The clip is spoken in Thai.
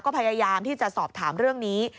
ก็พยายามที่จะสอบถามเรื่องนี้